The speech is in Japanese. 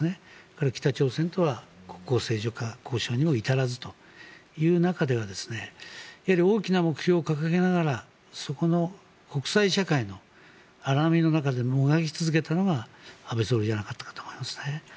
それから北朝鮮とは国交正常化交渉には至らず大きな目標を掲げながら国際社会の荒波の中でもがき続けたのが安倍総理じゃなかったかと思いますね。